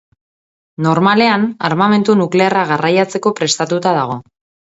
Normalean armamentu nuklearra garraiatzeko prestatuta dago.